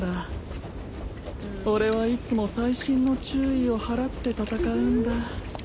俺はいつも細心の注意を払って戦うんだ。